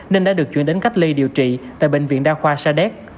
nên đã được chuyển đến cách ly điều trị tại bệnh viện đa khoa sadek